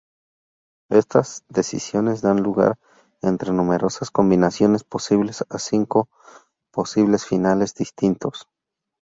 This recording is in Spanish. Estas decisiones dan lugar, entre numerosas combinaciones posibles, a cinco posibles finales distintos.